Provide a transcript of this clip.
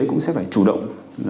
cũng sẽ phải chủ động